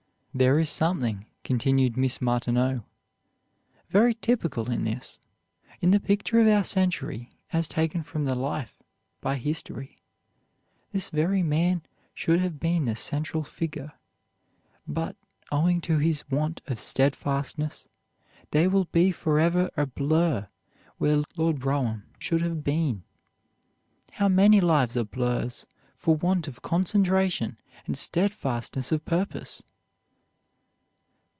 "There is something," continued Miss Martineau, "very typical in this. In the picture of our century, as taken from the life by history, this very man should have been the central figure. But, owing to his want of steadfastness, there will be forever a blur where Lord Brougham should have been. How many lives are blurs for want of concentration and steadfastness of purpose!"